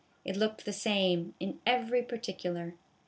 It looked the same, in every particular.